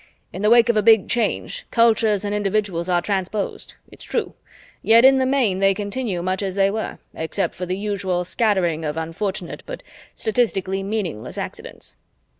In the wake of a Big Change, cultures and individuals are transposed, it's true, yet in the main they continue much as they were, except for the usual scattering of unfortunate but statistically meaningless accidents."